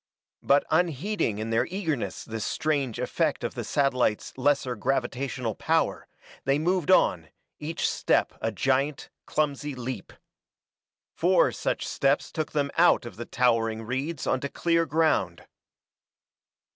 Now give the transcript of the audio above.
But unheeding in their eagerness this strange effect of the satellite's lesser gravitational power, they moved on, each step a giant, clumsy leap. Four such steps took them out of the towering reeds onto clear ground.